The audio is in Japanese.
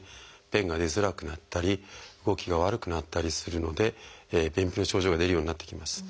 便が出づらくなったり動きが悪くなったりするので便秘の症状が出るようになってきます。